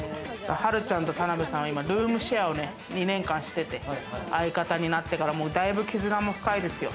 はるちゃんと田辺さんはルームシェアを２年間してて、相方になってから大分、絆も深いですよ。